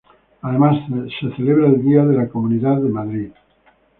Además se celebra el Día de la Comunidad de Madrid.